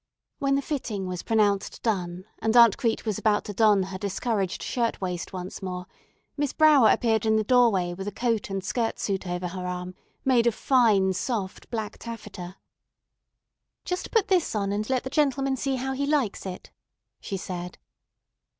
When the fitting was pronounced done and Aunt Crete was about to don her discouraged shirt waist once more, Miss Brower appeared in the doorway with a coat and skirt suit over her arm, made of fine soft black taffeta. "Just put this on and let the gentleman see how he likes it," she said.